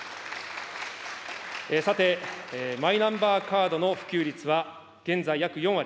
さて、マイナンバーカードの普及率は現在約４割。